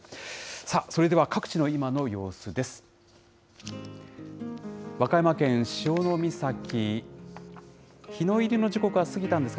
さあ、それでは各地の今の様子です。